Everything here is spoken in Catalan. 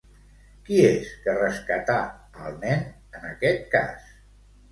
Qui és que rescatà al nen en aquest cas?